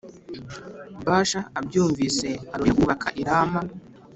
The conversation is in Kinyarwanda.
Bāsha abyumvise arorera kubaka i Rama